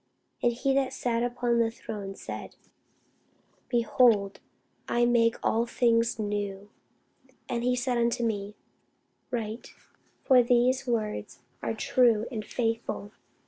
And he that sat upon the throne said, Behold, I make all things new. And he said unto me, Write: for these words are true and faithful.